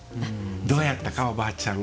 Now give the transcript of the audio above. どうやったかおばあちゃん